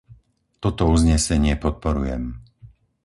Toto uznesenie podporujem.